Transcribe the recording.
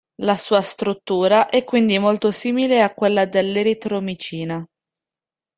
La sua struttura è quindi molto simile a quella dell'eritromicina.